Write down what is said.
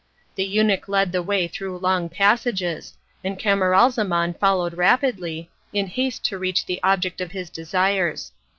The eunuch led the way through long passages, and Camaralzaman followed rapidly, in haste to reach the object of his desires.